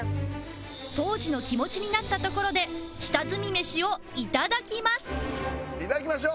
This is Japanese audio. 当時の気持ちになったところで下積みメシをいただきます